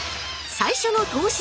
最初の投資